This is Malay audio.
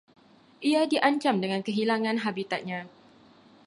Ia diancam dengan kehilangan habitatnya